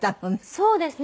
そうですね。